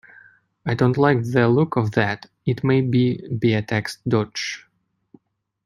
I don't like the look of that. It may be be a tax dodge.